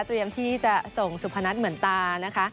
เตรียมที่จะส่งสุพนัทเหมือนตานะคะ